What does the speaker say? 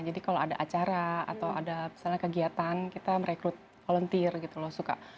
jadi kalau ada acara atau ada misalnya kegiatan kita merekrut volunteer gitu loh